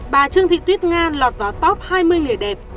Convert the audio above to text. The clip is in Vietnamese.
bà trương thị tuyết nga lọt vào top hai mươi nghề đẹp